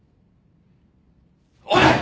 おい！